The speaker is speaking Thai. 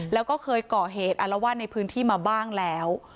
แล้วก็เคยก่อเหตุอารวาสในพื้นที่มาบ้างแล้ว